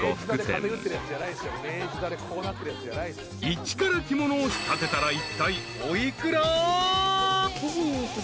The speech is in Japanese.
［一から着物を仕立てたらいったいお幾ら？］